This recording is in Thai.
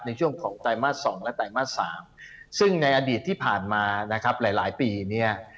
ในช่วงของไตรมาส๒และไตรมาส๓ซึ่งในอดีตที่ผ่านมานะครับหลายหลายปีเนี่ย